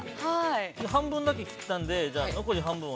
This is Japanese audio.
◆半分だけ切ったんでじゃあ、残り半分を。